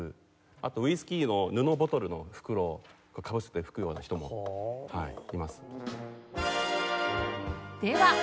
あとウイスキーの布ボトルの袋をかぶせて吹くような人もはいいます。